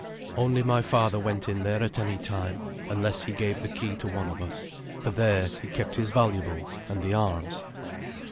Only my father went in there at any time, unless he gave the key to one of us, for there he kept his valuables and the arms.